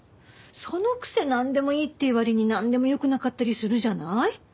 そのくせなんでもいいって言う割になんでもよくなかったりするじゃない？